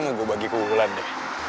m terapil i book berat ya abundantah